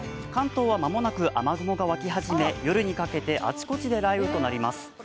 関東は間もなく雨雲が湧き始め、夜にかけてあちこちで雷雨となります。